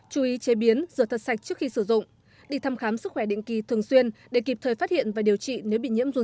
chú ý chế biến rửa thật sạch trước khi sử dụng đi thăm khám sức khỏe định kỳ thường xuyên để kịp thời phát hiện và điều trị nếu bị nhiễm run